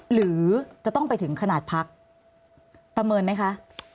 หรือจะต้องไปถึงขนาดพักประเมินไหมคะ